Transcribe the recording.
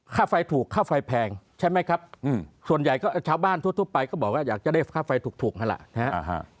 ค่าไฟถูกค่าไฟแพงใช่ไหมครับส่วนใหญ่ก็ชาวบ้านทั่วไปก็บอกว่าอยากจะได้ค่าไฟถูกนั่นแหละนะฮะ